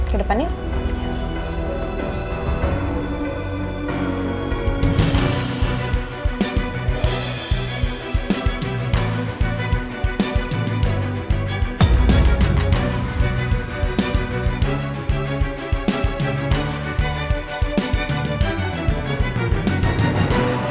ke depan ya